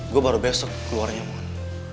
gue baru besok keluarnya mohon